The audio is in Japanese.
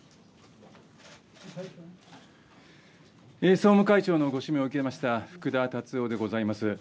総務会長のご指名を受けました福田達夫でございます。